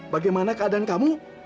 bagaimana keadaan kamu